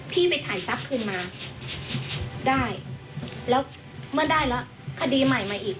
ไปถ่ายทรัพย์คืนมาได้แล้วเมื่อได้แล้วคดีใหม่มาอีก